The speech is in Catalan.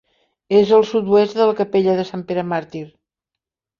És al sud-oest de la capella de Sant Pere Màrtir.